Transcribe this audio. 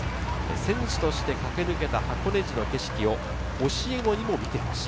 選手として駆け抜けた箱根路の景色を教え子にも見てほしい。